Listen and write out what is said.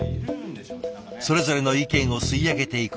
それぞれの意見を吸い上げていく川村さん。